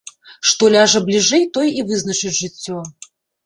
Што ляжа бліжэй, тое і вызначыць жыццё.